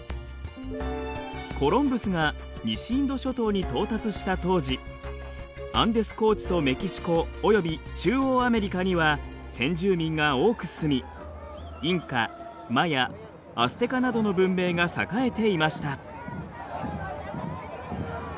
コロンブスが西インド諸島に到達した当時アンデス高地とメキシコ及び中央アメリカには先住民が多く住みインカマヤアステカなどの文明が栄えていました。